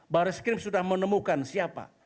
baris krim sudah menemukan siapa